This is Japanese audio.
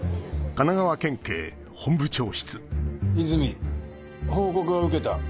和泉報告は受けた。